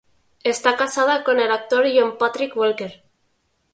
Está casada con el actor Jon Patrick Walker.